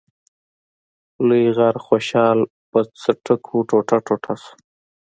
لوی غر خوشحال په څټکو ټوټه ټوټه شو.